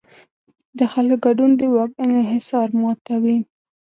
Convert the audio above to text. د خلکو ګډون د واک انحصار ماتوي